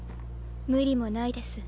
無理もないです。